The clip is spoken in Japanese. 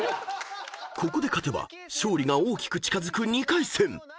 ［ここで勝てば勝利が大きく近づく２回戦］